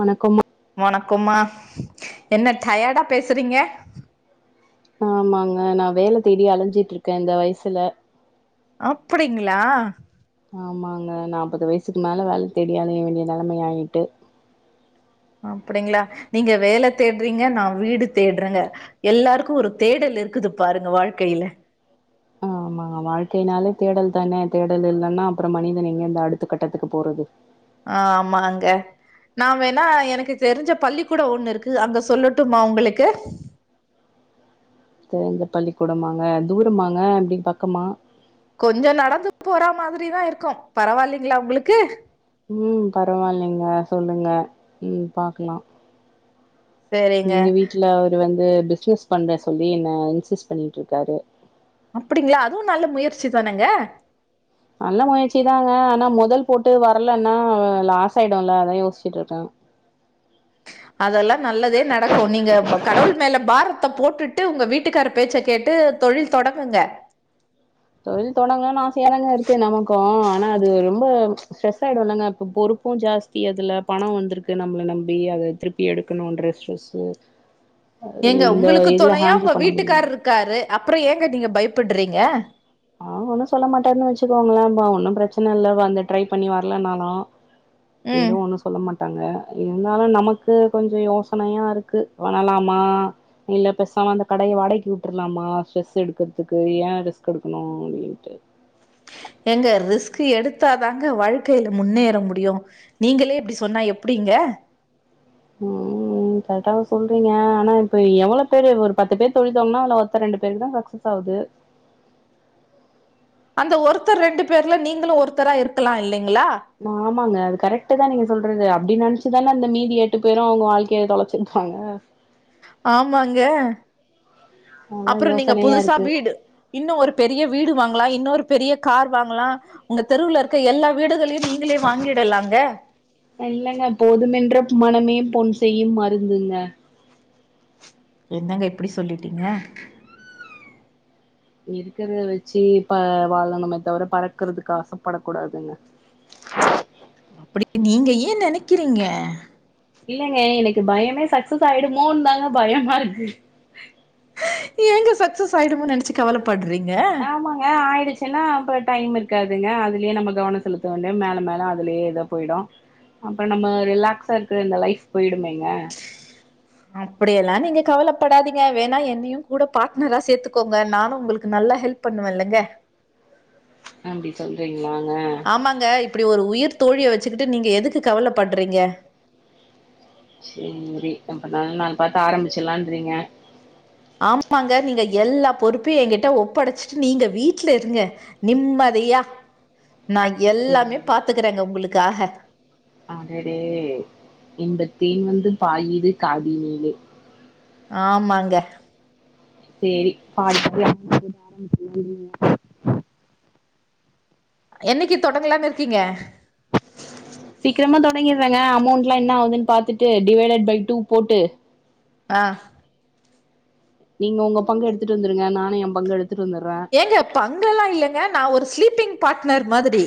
வணக்கம்மா வணக்கோம்மா என்ன ட்யட்டா பேசுறிங்க ஆமாங்க நா வேல தேடி அலைஞ்சிட் இருக்கே இந்த வயசில அப்டிங்ளா ஆமாங்க நாப்பது வயசுக்கு மேல வேல தேடி அலைய வேண்டிய நெலமையா ஆயிட்டு அப்டிங்ளா நீங்க வேல தேடுறீங்க நா வீடு தேடுறேங்க எல்லாருக்கு ஒரு தேடல் இருக்குது பாருங்க வாழ்க்கைல ஆமாங்க வாழ்க்கையினாலே தேடல் தான தேடல் இல்லனா அப்புறோ மனிதன் எங்க இந்த அடுத்த கட்டத்துக்கு போறது ஆமாங்க நா வேணா எனக்கு தெரிஞ்ச பள்ளி கூடோ ஒண்ணு இருக்கு அங்க சொல்லட்டுமா உங்களுக்கு தெரிஞ்ச பள்ளிக்கூடமாங்க தூரமாங்க எப்டி பக்கமா கொஞ்சோ நடந்து போற மாதிரி தா இருக்கு பரவாயில்லைங்ளா உங்களுக்கு ம் பரவாயில்லைங்க சொல்லுங்க ம் பாக்கலா சரிங்க எங்க வீட்ல அவரு வந்து பிஸ்னஸ் பண்றே சொல்லி என்ன இன்சிஸ் பண்ணிட் இருக்காரு அப்டிங்ளா அதுவு நல்ல முயற்சி தானங்க நல்ல முயற்சிதாங்க ஆனா மொதல் போட்டு வரலன்னா லாஸ் ஆய்டுல்ல அதா யோஸ்சிட்டிருக்கே அதெல்லா நல்லதே நடக்கு நீங்க கடவுள் மேல பாரத்த போட்டுட்டு உங்க வீட்டுக்காரர் பேச்ச கேட்டு தொழில் தொடங்குங்க தொழில் தொடங்கனுனு ஆசையாதாங்க இருக்கு நமக்கு ஆனா அது ரொம்ப ஸ்ட்ரெஸ் ஆயிடுவோதான இப்போ பொறுப்பு ஜாஸ்தி அதுல பணோ வந்துருக்கு நம்மள நம்பி அதுல திருப் பி எடுக்கணுன்ற ட்ரெஸ்ஸு ஏங்க உங்களுக்கு துணையா ஹேண்டில் உங்க பண்ண முடியல வீட்டுக்காரர் இருக் காரு அப்றோ ஏங்க நீங்க பயப்பட்றீங்க அவரு ஒன்னு சொல்ல மாட்டாருனு வெச்சுக்கோங்களே ஒன்னு பிரச்சன இல்ல வந்து ட்ரை பண்ணி வரலனாலு ம் எதூ ஒன்னு சொல்ல மாட்டாங்க இருந்தாலு நமக்கு கொஞ்சோ யோசனையா இருக்கு பணலாமா இல்ல பெசாம அந்த கடய வாடைக் விட்ரலாமா ஸ்ரெஸ் எடுக்கறதுக் ஏ ரெஸ்க் எடு க்கணு அப்டின்ட்டு ஏங்க ரிஸ்க் எடுத்தாதாங்க வாழ்க்கைல முன்னேற முடியு நீங்களே இப்டி சொன்னா எப்டிங்க ம் ம் கரக்டா சொல்றீங்க ஆனா இப்ப எவ்ளோ பேரு ஒரு பத்து பேர் தொழித்தோங்கனா இல்ல ஒருத்த ரெண்டு பேருக்கு தா சக்சஸ் ஆகுது அந்த ஒருத்தர் ரெண்டு பேர்ல நீங்களு ஒருத்தரா இருக்கலா இல்லீங்களா ஆமாங்க அது கரெக்ட் தா நீங்க சொல்றது அப்டி நெனச்சிதான அந்த மீதி எட்டு பேரு அவங்க வாழ்க்கைய தொழச்சிருப்பாங்க ஆமாங்க அதா அப்றோ நீங்க யோசனையா புதுசா இருக்கு வீடு இன்னு ஒரு பெரிய வீடு வாங்கலா இன்னுஒரு பெரிய கார் வாங்கலா உங்க தெருவுல இருக்க எல்லா வீடுகளையு நீ ங்ளே வாங்கிடலாங்க இல்லைங்க போதுமன்ற மனமே பொன் செய்யும் மருந்துங்க என்னங்க இப்டி சொல்லிட்டீங்க இருக்கறத வெச்சு இப்ப வாழனுமே தவிர பறக்கறதுக்கு ஆசைப்படக் கூடாதுங் அப்டி நீங்க ஏ நெனைக்கிறீங்க இல்லைங்க எனக்கு பயமே சக்சஸ் ஆயிடுமோன்னு தாங்க பயமா இருக்கு ஏங்க சக்சஸ் ஆயிடுமோனு நெனச்சு கவலப்படுறீங்க ஆ ஆயிடுச்சு ன்னா அப்ப டைம் இருக்காதுங்க அதுலயே நம்ம கவன செலுத்த வேண்ட மேல மேல அதுலயே ஏதோ போயிடு அப்ப நம்ம ரிலாக்ஸா இருக்குற இந்த லைஃப் பொய்டுமேங்க அப்புடியெல்லா நீங்க கவலப்படாதீங்க வேணா என்னயு கூட பார்ட்னரா சேத்துக்கோங்க நானு உங்களுக்கு நல்லா ஹெல்ப் பண்ணுவல்லங்க அப்டி சொல்றீங்ளாங ஆமாங்க இப்புடி ஒரு உயிர் தோழிய வச்சுக்கிட்டு நீங்க எதுக்கு கவல பட்றீங்க சேரி அப்ப நல்ல நாள் பாத்து ஆரமிச்சலான்ரிங்க ஆமாங்க நீங்க எல்லா பொறுப்பையு ஏங்கிட்ட ஒப்படச்சிட்டு நீங்க வீட்ல இருங்க நிம்மதயா நா எல்லாமே சேரி பாத்துக்குறங்க உங்களுக்காக அடடே இன்பத்தேன் வந்து பாயுது காதி நீலே ஆமாங்க சேரி பா [inaudible] என்னக்கி தொடங்கலான் இர்க்கீங்க சீக்கிரமா தொடங்கிற்றங்க அமௌண்ட்ல்லா என்ன ஆவுதுன் பாத்துட்டு டிவைடட் ஃபை டூ போட்டு அ நீங்க ஒங்க பங்க எடுத்துட்டு வந்துருங்க நானு ஏ பங்க எடுத்துட் வந்துட்ற ஏங்க பங்கல்லா இல்லங்க நா ஒரு ஸ்லீப்பிங் பாட்னர் மாதுரி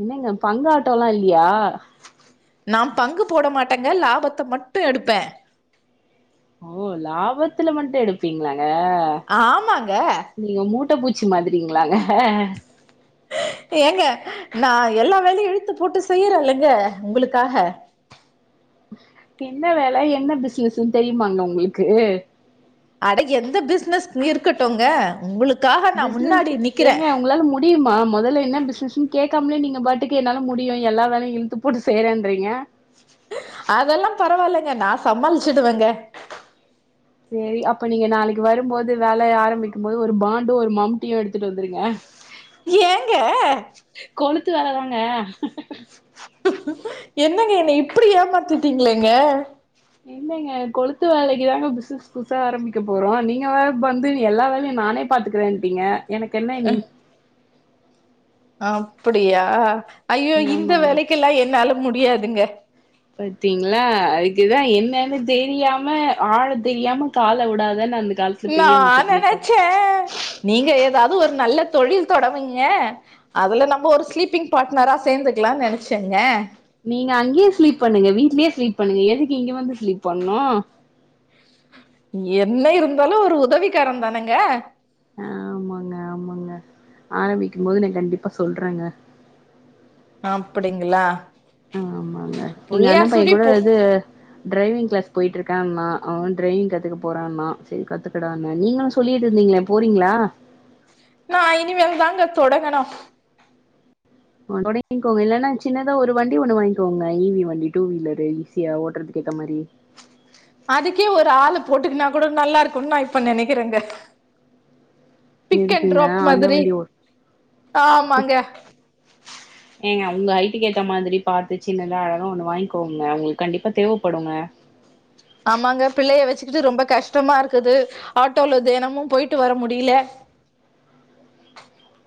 என்னங்க பங் ஆட்டோலா இல்யா நா பங்கு போட மாட்டங்க லாபத்த மட்டு எடுப்பே ஓ லாபத்துல மட்டு எடுப்பீங்ளாங்க ஆமாங்க நீங்க மூட்ட பூச்சி மாதுரிங்ளாங்க ஆ [inaudible] ஏங்க நா எல்லா வேலயு இழுத்து போட்டு செய்யுறல்லங்க உங்களுக்காக என்ன வேல என்ன பிஸ்னஸ்ன்னு தெரியுமாங்க உங்களுக்கு அட எந்த பிஸ்னஸ் இருக்கட்டுங்க உங்களுக்காக நா முன்னாடி நிக்கிற டியுமா மொதல்ல என்ன பிஸ்னஸ்னனு கேக்காம்லே நீங்க பாட்டுக்கு என்னால முடியு எல்லா வேலயு இழ்த்து போட்டு செய்றேன்றீங்க அதல்லா பரவால்லங்க நா சமாளிச்சுடுவங்க சேரி அப்ப நீங்க நாளைக் வரும்போது வேலய ஆரம்பிக்கும்போது ஒரு பாண்டு ஒரு மம்ட்டியு எடுத்துட் வந்துருங்க ஏங்க கொளுத்து வேலதாங்க என்னங்க என்ன இப்புடி ஏமாத்திட்டீங்ளேங்க இல்லங்க கொளுத்து வேலைக்கு தாங்க பிஸ்னஸ் புதுசா ஆரம்மிக்க போறோ நீங்க வேற வந்து எல்லா வேலையு நானே பாத்துக்குறேன்ட்டீங்க எனக்கு என்ன இனி அப்புடியா ஐயோ இந்த ஆமாங்க வேலைக்கில்லா என்னால முடியாதுங்க பத்தீங்ளா அதுக்குதா என்னன்னு தெரியாம ஆழ தெரியாம கால உடாதனு அந்த காலத் நா நெனச்ச நீங்க எதாது ஒரு நல்ல தொழில் தொடவீங்க அதுல நம்ப ஒரு ஸ்லீப்பிங் பாட்னரா சேந்துக்லா நெனச்சங்க நீங்க அங்யே ஸ்லீப் பண்ணுங்க வீட்லே ஸ்லீப் பண்ணுங்க எதுக்கு இங்க வந்து ஸ்லீப் பண்ணு என்ன இருந்தாலு ஒரு உதவிக்கர தானங்க ஆமாங்க ஆமாங்க ஆரமிக்கும்போது நா கண்டிப்பா சொல்றேங்க அப்புடிங்ளா அண்ண எங்க அண்ணன் பைய கூட இது டிரைவிங் க்ளாஸ் போயிட்ருக்கன்ணா அவன் டிரைவிங் கத்துக்க போறான்னா செரி கத்துக்கடான்ன நீங்களு சொல்லிட்ருந்தீங்ளே போறீங்ளா நா இனிமேல் தாங்க தொடங்கனு தொடங்கிக்கோங்க இல்லன்னா சின்னதா ஒரு வண்டி ஒண்ணு வாங்கிக்கோங்க இவி வண்டி டூ வீலரு ஈஸியா ஓட்டுறதுக்கு ஏத்த மாதிரி அதுக்கே ஒரு ஆளு போட்டுக்கனா கூட நல்லா இருக்கு நா இப்ப நினைக்கிறேங்க பிக் அண்ட் எதுக்குங்க டிராப் அந்த மாரி வண்டி ஓ ஆமாங்க ஏங்க உங்க ஹைட்டுக்கேத்த மாரி பாத்து சின்னதா அழகா ஒண்ணு வாங்கிக்கோங்க உங்களுக்கு கண்டிப்பா தேவைப்படுங்க ஆமாங்க பிள்ளைய வச்சுக்கிட்டு ரொம்ப கஷ்டமா இருக்குது ஆட்டோல தினமு போயிட்டு வர முடியல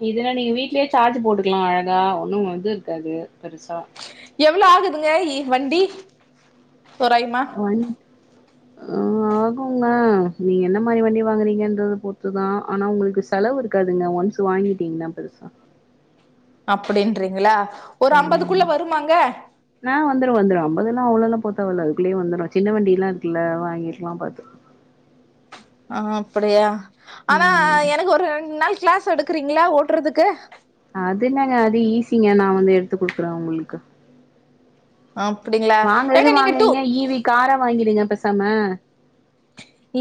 இதுன்னா நீங்க வீட்லயே சார்ஜ் போட்டுக்கலா அழகா ஒண்ணு வந்து இருக்காது பெருசா எவ்வளோ ஆகுதுங்க ஈ வண்டி தோராயமா ஒன் ஆ ஆகுங்க நீங்க என்ன மாறி வண்டி வாங்குறீங்கன்றத பொறுத்துதா ஆனா உங்களுக்கு செலவு இருக்காதுங்க ஒன்ஸ் வாங்கிட்டீங்கன்னா பெருசா அப்டின்றீங்களா ஒரு அம்பதுக்குள்ள வருமாங்க நா வந்துரு வந்துரு அம்பது எல்லா அவ்ளவுல்லா போ தேவல அதுக்குள்ளேயே வந்துரு சின்ன வண்டி எல்லா இருல்லல வாங்கிட்டுலா பாத்து ஆ அப்டியா ஆனா ம் எனக்கு ஒரு ரெண்டு நாள் கிளாஸ் கிளாஸ் எடுக்குறீங்களா ஓட்டுறதுக்கு அது என்ன அது ஈஸிங்க நா வந்து எடுத்து குடுக்குறே உங்களுக்கு அப்டிங்களா ஏங்க வாங்குறது நீங்க டூ வாங்குறீங்க ஈவி கார வாங்கிருங்க பேசாம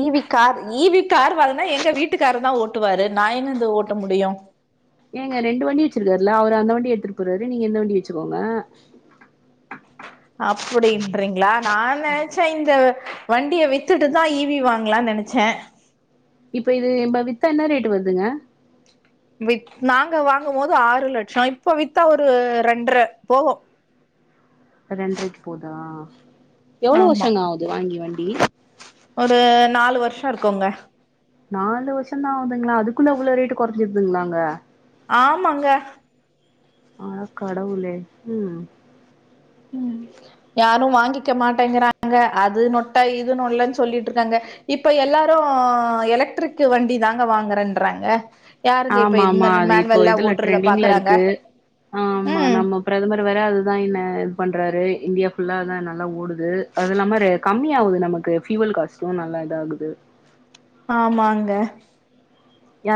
ஈவி கார் ஈவி கார் வாங்கன்னா எங்க வீட்டுக்காரு தா ஓட்டுவாரு நா எங்கருந்து ஓட்ட முடியு ஏங்க ரெண்டு வண்டி வச்சிருக்காருல்ல அவரு அந்த வண்டி எடுத்துட்டு போறாரு நீங்க இந்த வண்டி வச்சுக்கோங்க அப்டின்றீங்களா நா நெனைச்சே இந்த வண்டிய வித்துட்டுதா ஈவி வாங்கலாம்னு நேனைச்சே இப்ப இது இ நம்ம வித்தா என்ன ரேட் வருதுங்க வித் நாங்க வாங்கு போது ஆறு லட்சம் இப்போ வித்தா ஒரு ரெண்டுறை போகு ரெண்டரைக்கு போகுதா எவ்வளவு ஆமா வருஷங்க ஆகுது வாங்கி வண்டி ஒரு நாலு வருஷ இருக்குங்க நாலு வருஷம் தா ஆகுதுங்களா அதுக்குள்ள இவ்வளோ ரேட்டு் குறஞ்சிருதுங்களாங்க ஆமாங்க அட கடவுளே ம் ம் யாரு வாங்கிக்க மாட்டேங்கிறாங்க அது நொட்டா இது நொல்லைன்னு சொல்லிட்டு இருக்காங்க இப்ப எல்லாரு எலக்ட்ரிக் வண்டி தாங்க வாங்குறேன்றாங்க யாருங்க இப்ப ஆமா இது ஆமா மேல அது இப்போ மேனுவல்லா இதுல ஓட்டுறத ட்ரெண்டிங்ல பாக்குறாங்க இருக்கு ஆ ஆமா ம் நம்ம பிரதமர் வேற அதுதா இன்ன இது பண்றாரு இந்தியா ஃபுல்லா நல்லா ஓடுது அது இல்லாம கம்மிய ஆகுது நமக்கு ஃபியூவல் காஸ்ட்டு நல்லா இதாகுது ஆமாங்க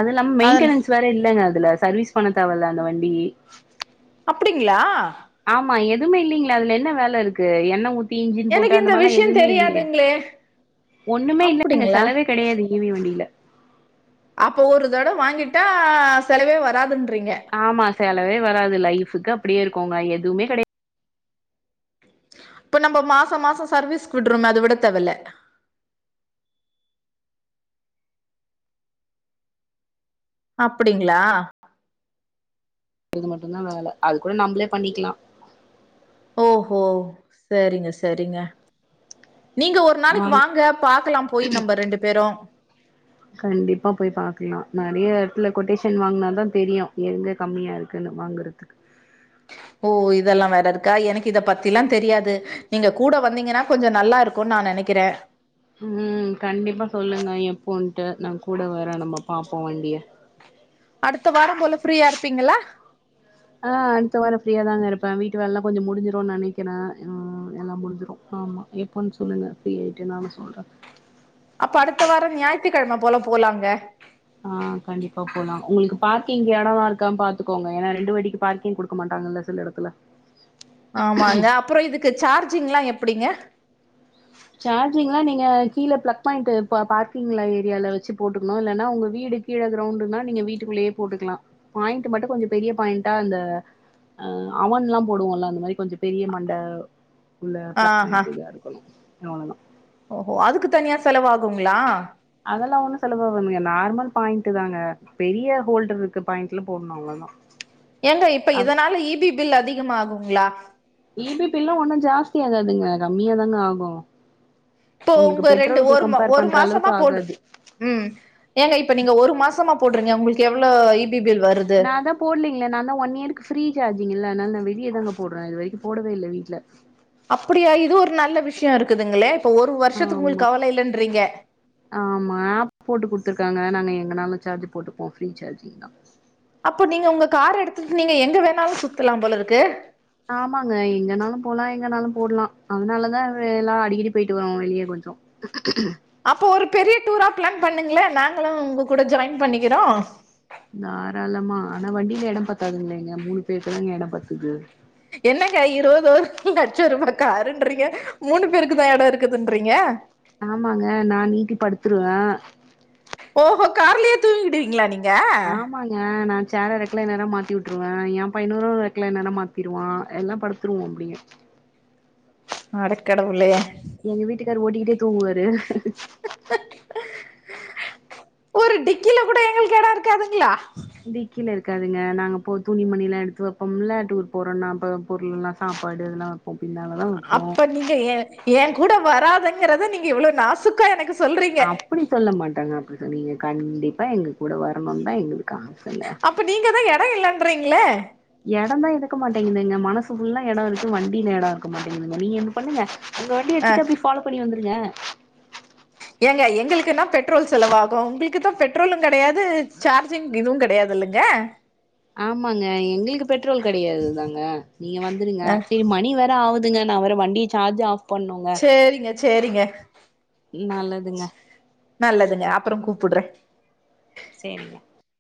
அது இல்லாம அதன மெயின்டெனன்ஸ் வேற இல்லங்க அதுல சர்வீஸ் பண்ண தேவல அந்த வண்டி அப்டிங்களா ஆமா எதுவுமே இல்லேங்களா அதுல என்ன வேலை இருக்கு என்ன ஊ இஞ்சின் போட்டு எனக்கு அந்த இந்த மாதிரா விஷயோ எதுவுமே இல்லேயே தெரியாதுங்களே ஒண்ணுமே இல்லங்க அப்டிங்களா செலவே கிடையாது இவே வேண்டியல அப்போ ஒரு தட வாங்கிட்டா செலவே வராதுன்றீங்க ஆமா சலவே வராது லைஃபக்கு அப்டியே இருக்கோங்க எதுவுமே கிடையாது இப்ப நம்ம மாசம் மாசம் சர்வீஸ் விடுறோமே அத விட தேவல இல்ல அப்டிங்களா அது மட்டுதா வேல அது கூட நம்மளே பண்ணிக்கலா ஓஹோ சேரிங்க சேரிங்க நீங்க ஒரு நாளைக்கு வாங் வாங்க பாக்கலா போயி நம்ம ரெண்டு பேரு கண்டிப்பா போயி பாக்கலா நெறைய இடத்துல கொட்டேஷன் வாங்கனா தா தெரியு எங்கே கம்மியா இருக்குன்னு வாங்கறதுக்கு ஓ இதெல்லா வேற இருக்கா எனக்கு இத பத்தில்லா தெரியாது நீங்க கூட வந்தீங்கனா கொஞ்ச நல்லா இருக் கு நா நெனைக்கறே உம் கண்டிப்பா சொல்லுங்க எப்போன்ட்டு நாகூட வேறே நம்ம பாப்போ வண்டியை அடுத்த வாரம் போல ஃப்ரீயா இருப்பீங்களா ஆ அடுத்த வாரோ ஃப்ரீயா தாங்க இருப்பே வீட்டு வேலல்லா கொஞ்ச முடுஞ்சிடுனு நெனைக்கிறே எல்லா முடிஞ்சிடு ஆமா எப்போன்னு சொல்லுங்க ஃப்ரீயிட்டு நானு சொல்றே அப்ப அடுத்த வாரோ ஞாயித்துக்கெழம போல போலாங்க ஆ கண்டிப்பா போலா உங்ளுக்கு பார்கிங் இடோல்லா இருக்கான்னு பாத்துக்கோங்க ஏனா ரெண்டு வாட்டிக்கு பார்கிங் கு டுக்க மாட்டாங்கல்ல சில இடத்துல ஆமாங்க அப்றோ இதுக்கு சார்ஜிங்ல்லா எப்டிங்க சார்ஜிங்லா நீங்க கீழே பிளக் பாயிண்ட் பார்கிங் ஏரியால வெச்சு போட்டுக்ணு இல்லைன்னா உங்க வீடு கீழ கிரௌண்டுனா நீங்க வீட்டுக்குள்ளயே போட்டுக்கலா பாயிண்ட் மட்டு கொஞ்ச பெரிய பாயிண்ட்டா அந்த ஆ அவன்ல்லா போடுவோல அ அந்த மாரி கொஞ்ச பெரிய மண்ட உள்ள ப்ளக் ஆஹா பாயிண்ட் இதா இருக்கணு அவ்ளோதா ஓஹோ அதுக் தனியா செலவாகுங்களா அதெல்லா ஒண்ணு செலவாதுங்க நார்மல் பாயிண்ட் தாங்க பெரிய ஹோல்டர் இருக்கு பாயிண்ட்ல போடணு அவ்ளோதா ஏங்க இப்ப அப் இதனால இ பி பில் அதிகம் ஆகுங்களா இ பி பில்லா ஒண்ணு ஜாஸ்தி ஆகாதுங்க கம்மியாதாங்க ஆகு இப்போ உங்ளுக்கு உங்க பெட்ரோலுக்கு கம்பேர் பண்ற அளவுக்கு ஆகாது உம் ஏங்க இப்ப நீங்க ஒரு மாசமா போடுறீங்க உங்ளுக்கு எவ்ளோ இ பி பில் வருது நா தா போடலைங்களே நா தா ஒன் இயர்க்கு ஃப்ரீ சார்ஜிங் இல்ல அதனால நா வெளிய தாங்க போடுறே இது வரை போவே இல்ல வீட்ல அப்படியா இது ஒரு நல்ல விஷயம் இருக்குதுங்களே இப்ப ஒரு வருஷத்துக்கு ஆமா உங்ளுக்கு கவலை இல்லன்றீங்க ஆமா ஆப் போட்டு குடுத்துருக்காங்க நாங்க எங்கனாலு சார்ஜ் போட்டுப்போ ஃப்ரீ சார்ஜிங் தா அப்போ நீங்க உங்க கார் எடுத்ட்டு நீங்க எங்க வேணாலு சுத்தலா போலருக்கு ஆமாங்க எங்கனாலு போலா எங்கனாலு போடலா அதனாலதான்ல்லா அடிக்கடி போயிட்டு வரோ வெளிய கொஞ்சோ [inaudible] அப்போ ஒரு பெரிய டூரா பிளான் பண்ணுங்களே நாங்களு உங்க கூட ஜாயின் பண்ணிக்கிறோ தாராளமா ஆனா வண்டில இடம் பத்தாதுங்களேங்க மூணு பேருக்கு தாங்க இடம் பத்துது என்னங்க இருபது லட்சருபா காருன்றீங்க மூணு பேருக்கு தா இடோ இருக்குதுன்றீங்க ஆமாங்க நா நீட்டி படுத்துருவே ஓஹோ கார்லயே தூங்கிடுவீங்களா நீங்க ஆமாங் ஏ நா சேர ரெக்லைனரா மாத்தி வுட்டுருவே ஏ பையனு ரெக்லைனரா மாத்திடுவா எல்லா படு த்ருவோ முடியு அடக்கடவுளே எங்வீட்டுக்காரு ஓட்டிகிட்டே தூங்குவாரு ஒரு டிக்கில கூட எங்ளுக்கு இடோ இருக்காதுங்களா டிக்கில இருக்காதுங்க நாங்க போ துணிமணில்லா எடுத்து வெப்போம்ல டூர் போறோம்னாப் பொருள்ல்லா சாப்பாடு அதெல்லா அப்ப நீங்க ஏ ஏ கூட வராதுங்கறத நீங்க எவ்ளோ நாசுக்கா எனக்கு சொல்றீங்க அப்டி சொல்ல மாட்டாங்க அப்டி சொன்னீங்க கண்டிப்பா எங்க கூட வரணுனு தா எங்ளுக்கு ஆசங்க அப்ப நீங்க தா இட இல்லன்றீங்களே இடம் தா இருக்க மாட்டேங்குதுங்க மனசு ஃபுல்லா இட இருக்கு வண்டியில இட இருக்க மாட்டேங்குதுங்க நீங்க ஓன்ன பண்ணுங்க உங்க வண்டி அ எடுத்துட்டு அப்டியே ஃபாலோ பண்ணி வந்துருங்க ஏங்க எங்களுக்குனா பெட்ரோல் செலவாகு உங்களுக்கு தா பெட்ரோலு கிடையாது சார்ஜிங் இதுவு கிடையாதுல்ல அங்க ஆமாங்க எங்களுக்கு பெட்ரோல் கிடையாது தாங்க நீங்க வந்துருங்க ஆ சேரி மணி வேற ஆகுது ஏங்க நா வேற வண்டி சார்ஜ் ஆஃப் பண்ணோங்க சேரிங்க சேரிங்க நல்லதுங்க நல்லதுங்க அப்றோ கூப்படுறே சேரிங்க